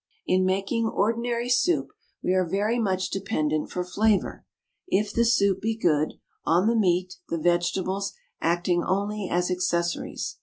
In making ordinary soup we are very much dependent for flavour, if the soup be good, on the meat, the vegetables acting only as accessories.